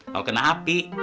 kalau kena api